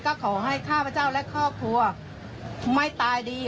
ก็ขอให้ข้าพเจ้าและครอบครัวไม่ตายดี